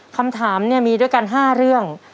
คำถามเนี่ยมีด้วยกัน๕เรื่อง